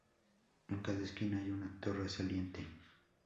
En cada esquina hay una torre saliente.